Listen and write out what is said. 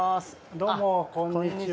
どうも、こんにちは。